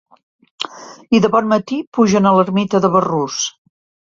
I de bon matí pugen a l'ermita de Berrús.